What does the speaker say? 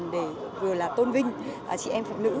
để vừa là tôn vinh chị em phụ nữ